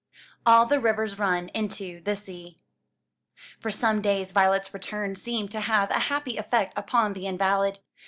"All the Rivers run into the Sea." For some days Violet's return seemed to have a happy effect upon the invalid.